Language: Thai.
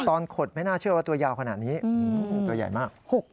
ขดไม่น่าเชื่อว่าตัวยาวขนาดนี้ตัวใหญ่มาก